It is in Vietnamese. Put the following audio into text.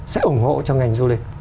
sẽ ủng hộ cho ngành du lịch